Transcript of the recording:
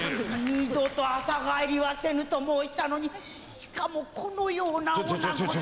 二度と朝帰りはせぬと申したのにしかもこのようなおなごと！